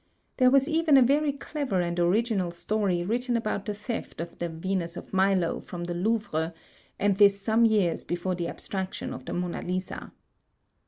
There was even a very clever and original story written about the theft of the Venus of Milo from the Louvre; and this some years before the abstraction of the Mona Lisa.